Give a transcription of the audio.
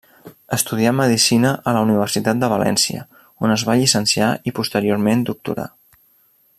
Estudià medicina a la Universitat de València, on es va llicenciar i posteriorment doctorar.